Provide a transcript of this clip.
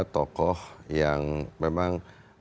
tokoh yang memang